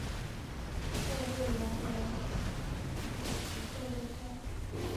斗六原为洪雅族斗六社。